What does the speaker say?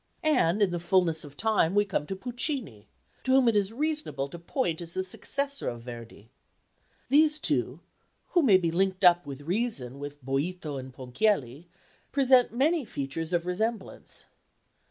And in the fulness of time we come to Puccini, to whom it is reasonable to point as the successor of Verdi. These two, who may be linked up with reason with Boïto and Ponchielli, present many features of resemblance.